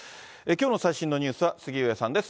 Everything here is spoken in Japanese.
きょうの最新のニュースは杉上さんです。